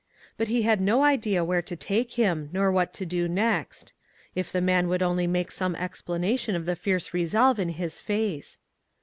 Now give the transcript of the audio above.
But he had no idea where to take him, nor what to do next. If the man would only make some explanation of the fierce resolve in his face